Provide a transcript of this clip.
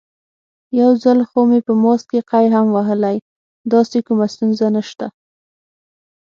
یو ځل خو مې په ماسک کې قی هم وهلی، داسې کومه ستونزه نشته.